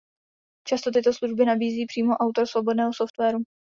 Často tyto služby nabízí přímo autor svobodného softwaru.